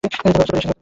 ব্যবস্থা করে এসেছি!